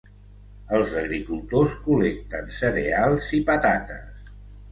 Els agricultors col·lecten cereals i patates.